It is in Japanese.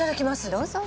どうぞ。